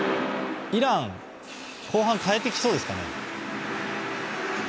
イラン後半、変えてきそうですかね。